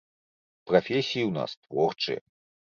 Прафесіі ў нас творчыя.